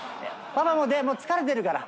「パパもう疲れてるから」